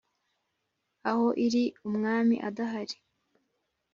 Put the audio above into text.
aho iri, umwami adahari,